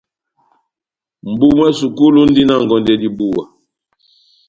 Mʼbu mwá sukulu múndi na ngondɛ dibuwa.